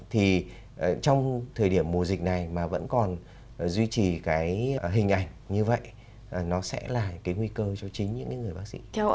thì trong thời điểm mùa dịch này mà vẫn còn duy trì cái hình ảnh như vậy nó sẽ là cái nguy cơ cho chính những người bác sĩ